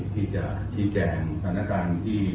ที่จะชี้แจงสถานการณ์ที่